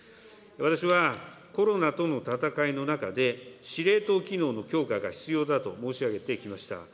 私はコロナとの闘いの中で、司令塔機能の強化が必要だと申し上げてきました。